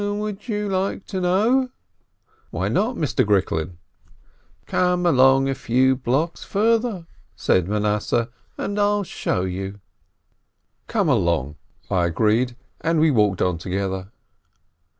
"Would you like to know ?" "Why not, Mister Gricklin !" "Come along a few blocks further," said Manasseh, "and I'll show you." MANASSEH 369 "Come along !" I agreed, and we walked on together.